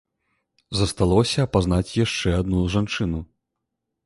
Засталося апазнаць яшчэ адну жанчыну.